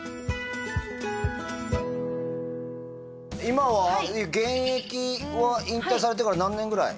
今は現役は引退されてから何年ぐらい？